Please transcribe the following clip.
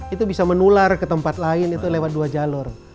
itu bisa menular ke tempat lain itu lewat dua jalur